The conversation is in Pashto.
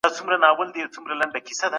موږ مترونه کاروو.